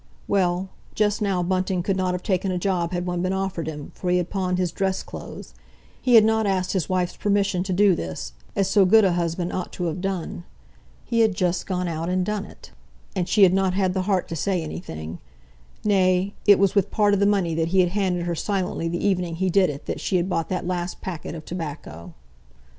Well, just now Bunting could not have taken a job had one been offered him, for he had pawned his dress clothes. He had not asked his wife's permission to do this, as so good a husband ought to have done. He had just gone out and done it. And she had not had the heart to say anything; nay, it was with part of the money that he had handed her silently the evening he did it that she had bought that last packet of tobacco.